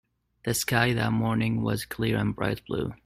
The sky that morning was clear and bright blue.